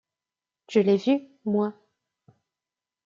Je l’ai vu, moi.